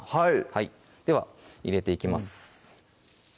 はいでは入れていきます